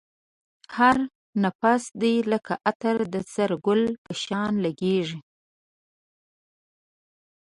هر نفس دی لکه عطر د سره گل په شان لگېږی